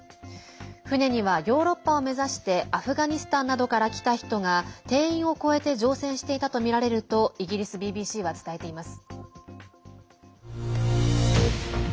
船にはヨーロッパを目指してアフガニスタンなどから来た人が定員を超えて乗船していたと見られるとイギリスＢＢＣは伝えています。